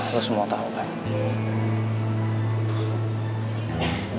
lo semua tau beb